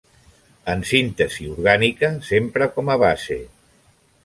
En síntesi orgànica s'empra com a base.